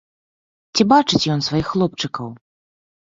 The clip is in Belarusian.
Ці бачыць ён сваіх хлопчыкаў?